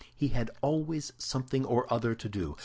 He had always something or other to do.